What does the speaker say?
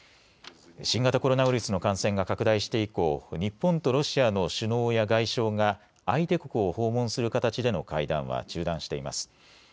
新型コロナウイルスの感染が拡大して以降日本とロシアの首脳や外相が相手国を訪問する形での会談は中断しています。